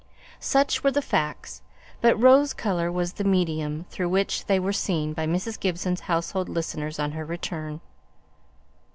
Such were the facts, but rose colour was the medium through which they were seen by Mrs. Gibson's household listeners on her return.